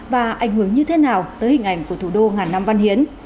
và ảnh hưởng như thế nào tới hình ảnh của thủ đô ngàn năm văn hiến